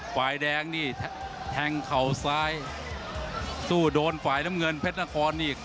ฝ่ายแดงนี่แทงเข่าซ้ายสู้โดนฝ่ายน้ำเงินเพชรนครนี่